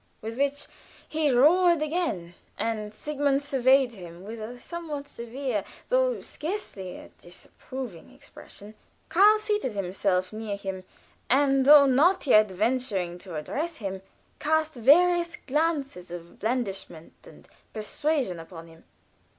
With which he roared again, and Sigmund surveyed him with a somewhat severe, though scarcely a disapproving, expression. Karl seated himself near him, and, though not yet venturing to address him, cast various glances of blandishment and persuasion upon him.